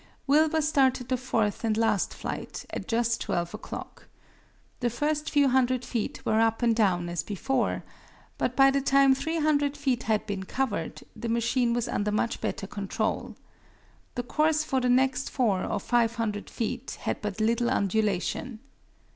Wilbur started the fourth and last flight at just 12 o'clock. The first few hundred feet were up and down as before, but by the time three hundred feet had been covered, the machine was under much better control. The course for the next four or five hundred feet had but little undulation.